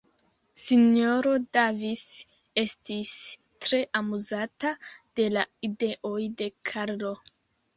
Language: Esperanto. S-ro Davis estis tre amuzata de la ideoj de Karlo.